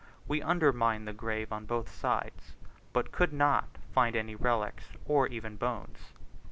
We undermined the grave on both sides, but could not find any relics, or even bones.